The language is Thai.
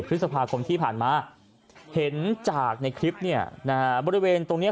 พฤษภาคมที่ผ่านมาเห็นจากในคลิปเนี่ยนะฮะบริเวณตรงนี้